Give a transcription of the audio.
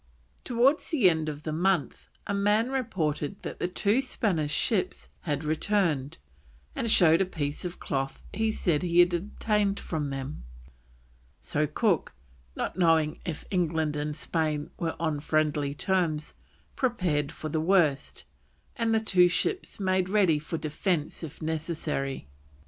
Towards the end of the month a man reported that the two Spanish ships had returned, and showed a piece of cloth he said he had obtained from them, so Cook, not knowing if England and Spain were on friendly terms, prepared for the worst, and the two ships made ready for defence if necessary.